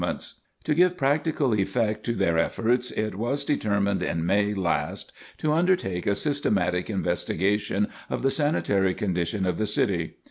[Sidenote: A Systematic Investigation] To give practical effect to their efforts, it was determined in May last to undertake a systematic investigation of the sanitary condition of the city.